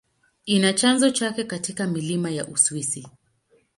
Ina chanzo chake katika milima ya Uswisi.